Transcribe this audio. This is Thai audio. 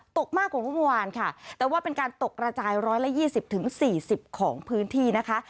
ตกมากกว่าเมื่อวานค่ะแต่ว่าเป็นการตกระจาย๑๒๐๔๐ของพื้นที่นะคะ